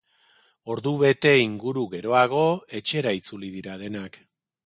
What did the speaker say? Ordubete inguru geroago, etxera itzuli dira denak.